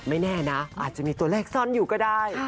ไม่แน่นะอาจจะมีตัวเลขซ่อนอยู่ก็ได้